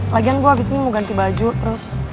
lagian gue abis ini mau ganti baju terus